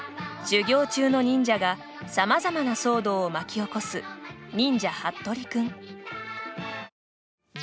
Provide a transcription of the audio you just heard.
修行中の忍者がさまざまな騒動を巻き起こす「忍者ハットリくん」。